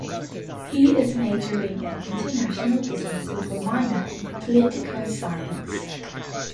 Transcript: He is majoring in International Business with a minor in Political Science.